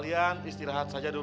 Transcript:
ya siap laksatakan